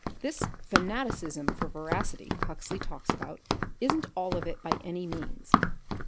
"This fanaticism for veracity Huxley talks about isn't all of it by any means.